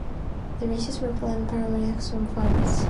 The races were planned primarily to entertain the farmers.